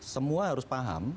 semua harus paham